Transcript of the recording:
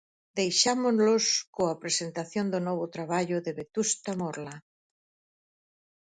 Deixámolos coa presentación do novo traballo de Vetusta Morla.